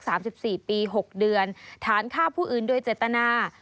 สามสิบสี่ปีหกเดือนฐานฆ่าผู้อื่นโดยเจตนา